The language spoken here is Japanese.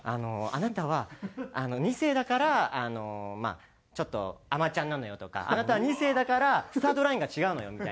「あなたは二世だからちょっと甘ちゃんなのよ」とか「あなたは二世だからスタートラインが違うのよ」